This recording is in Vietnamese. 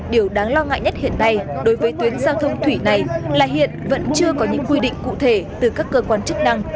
điều đáng lo ngại nhất hiện nay đối với tuyến giao thông thủy này là hiện vẫn chưa có những quy định cụ thể từ các cơ quan chức năng